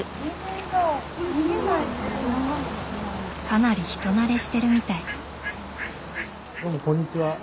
かなり人慣れしてるみたい。